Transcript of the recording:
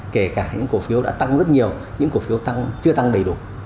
kể cả những cổ phiếu đã tăng rất nhiều những cổ phiếu tăng chưa tăng đầy đủ